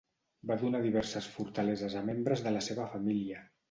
Va donar diverses fortaleses a membres de la seva família.